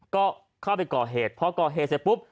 ก็เข้าไปก่อเหตุพอก่อเหตุเสร็จปุ๊บ